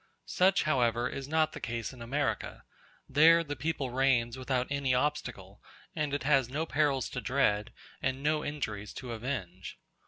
Such, however, is not the case in America; there the people reigns without any obstacle, and it has no perils to dread and no injuries to avenge.